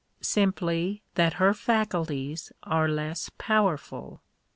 Simply that her faculties are less powerful.